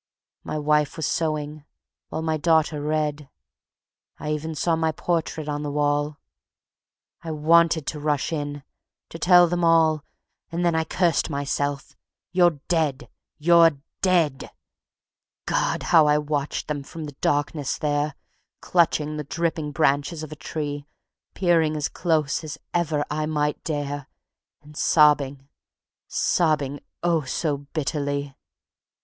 My wife was sewing, while my daughter read; I even saw my portrait on the wall. I wanted to rush in, to tell them all; And then I cursed myself: "You're dead, you're dead!" God! how I watched them from the darkness there, Clutching the dripping branches of a tree, Peering as close as ever I might dare, And sobbing, sobbing, oh, so bitterly!